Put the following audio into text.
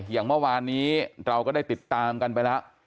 อย่างเมื่อวานนี้เราก็ได้ติดตามกันไปแล้ว